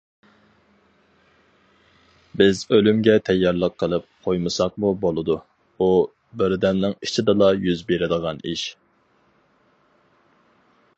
بىز ئۆلۈمگە تەييارلىق قىلىپ قويمىساقمۇ بولىدۇ، ئۇ بىردەمنىڭ ئىچىدىلا يۈز بېرىدىغان ئىش.